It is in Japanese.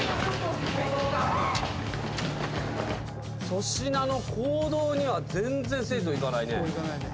粗品の講堂には全然生徒行かないね。